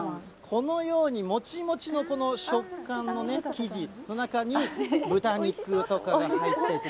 このようにもちもちのこの食感の生地の中に、豚肉とかが入ってる。